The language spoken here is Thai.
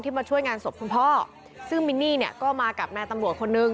ที่มาช่วยงานศพคุณพ่อซึ่งมินนี่ก็มากับแม่ตำรวจคนนึง